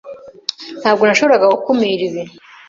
Ntabwo nashoboraga gukumira ibi.